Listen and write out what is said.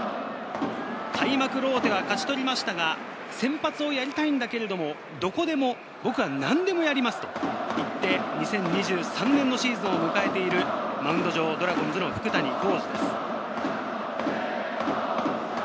開幕ローテは勝ち取りましたが、先発をやりたいんだけれども、どこでも何でもやりますと言って、２０２３年のシーズンを迎えているマウンド上、ドラゴンズの福谷浩司です。